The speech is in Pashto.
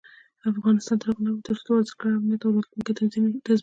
افغانستان تر هغو نه ابادیږي، ترڅو د ورزشکارانو امنیت او راتلونکی تضمین نشي.